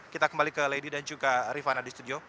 kita kembali ke lady dan juga rifana di studio